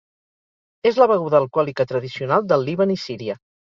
És la beguda alcohòlica tradicional del Líban i Síria.